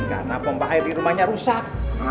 karena pembahaya di rumahnya rusak